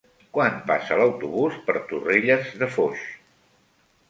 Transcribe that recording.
Quan passa l'autobús per Torrelles de Foix?